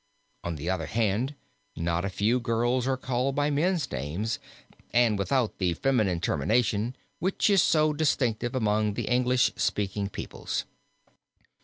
On the other hand, not a few girls are called by men's names and without the feminine termination which is so distinctive among the English speaking peoples.